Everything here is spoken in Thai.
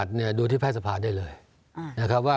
ทีไปแล้วค่ะ